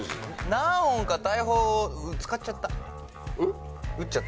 何本か大砲を使っちゃった。